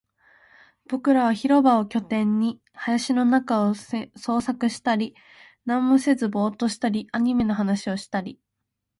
僕らは広場を拠点に、林の中を探索したり、何もせずボーっとしたり、アニメの話をしたり